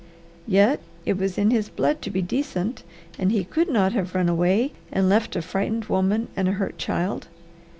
Yet it was in his blood to be decent and he could not have run away and left a frightened woman and a hurt child.